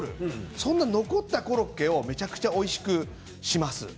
そんな残ったコロッケをめちゃくちゃおいしくします。